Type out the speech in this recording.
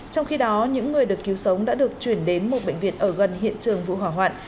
trong khi đó những người được cứu sống đã được chuyển đến một bệnh viện ở gần hiện trường vụ hỏa hoạn